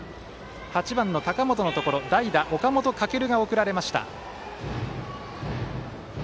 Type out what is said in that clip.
８番、高本のところ代打に岡本翔が送られました。